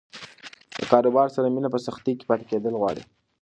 له کاروبار سره مینه په سختۍ کې پاتې کېدل غواړي.